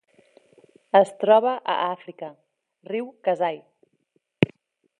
Es troba a Àfrica: riu Kasai.